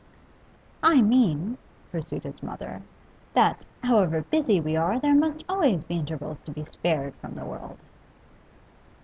'I mean,' pursued his mother, 'that, however busy we are, there must always be intervals to be spared from the world.